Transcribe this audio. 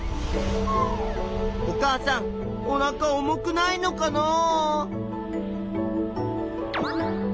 お母さんおなか重くないのかなあ。